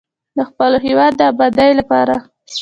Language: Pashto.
د خپل هیواد د ابادۍ لپاره.